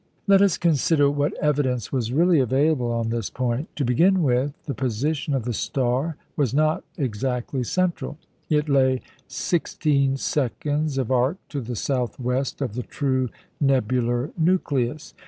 Let us consider what evidence was really available on this point. To begin with, the position of the star was not exactly central. It lay sixteen seconds of arc to the south west of the true nebular nucleus.